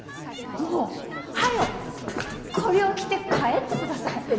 もう早うこりょう着て帰ってください。